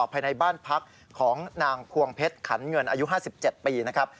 ภายในบ้านพักของนางพวงเพชรขันเงินอายุ๕๗ปีนะครับ